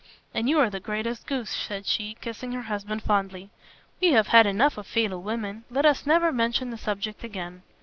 "And you are the greatest goose," said she, kissing her husband fondly, "we have had enough of fatal women. Let us never mention the subject again."